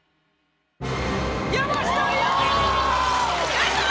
やった！